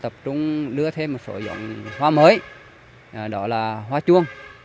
tập trung đưa thêm một số giống hoa mới đó là hoa chuông